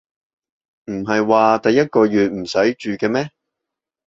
唔係話第一個月唔使住嘅咩